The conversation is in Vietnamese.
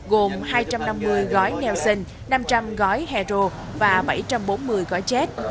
gồm hai trăm năm mươi gói nelson năm trăm linh gói hedro và bảy trăm bốn mươi gói jet